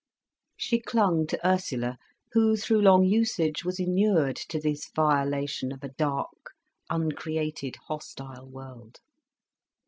She clung to Ursula, who, through long usage was inured to this violation of a dark, uncreated, hostile world.